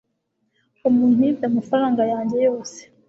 umuntu yibye amafaranga yanjye yose